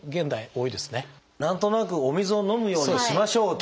何となくお水を飲むようにしましょうっていうね。